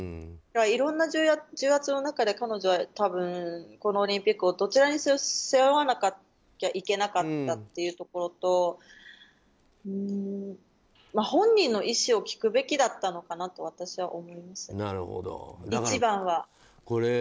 いろんな重圧の中で彼女は多分、このオリンピックをどちらにせよ背負わなきゃいけなかったというところと本人の意思を聞くべきだったのかなと私は思います。